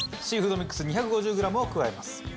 シーフードミックス２５０グラムを加えます。